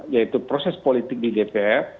yaitu proses politik di dpr